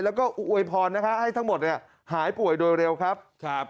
แล้วก็อวยพรนะคะให้ทั้งหมดเนี่ยหายป่วยโดยเร็วครับ